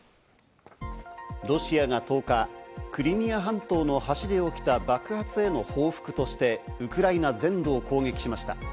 ロシアが１０日、クリミア半島の橋で起きた爆発への報復として、ウクライナ全土を攻撃しました。